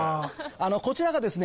こちらがですね